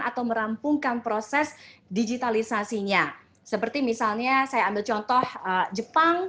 atau merampungkan proses digitalisasinya seperti misalnya saya ambil contoh jepang